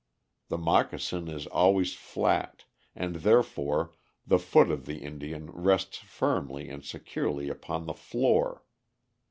The moccasin is always flat, and therefore the foot of the Indian rests firmly and securely upon the floor.